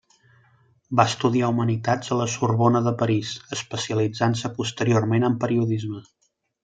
Va estudiar humanitats a La Sorbona de París, especialitzant-se posteriorment en periodisme.